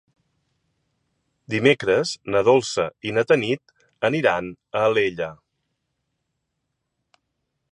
Dimecres na Dolça i na Tanit aniran a Alella.